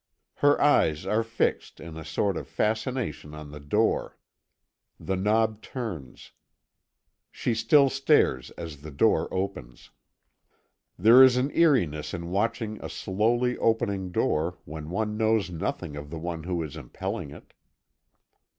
Her eyes are fixed in a sort of fascination on the door. The knob turns; she still stares as the door opens. There is an eeriness in watching a slowly opening door when one knows nothing of the one who is impelling it.